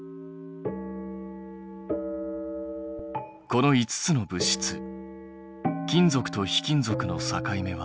この５つの物質金属と非金属の境目はどこ？